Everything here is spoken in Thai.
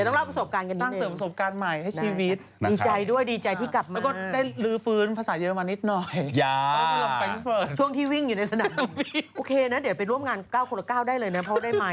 เดี๋ยวไปร่วมงาน๙คนละ๙ได้เลยนะเพราะว่าได้มายเยอะมาก